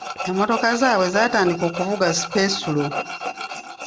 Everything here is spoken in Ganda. Emmotoka zaabwe zatandika okuvuga sipesulo.